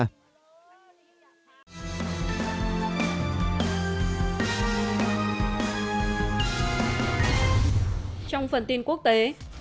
trong phần tin quốc tế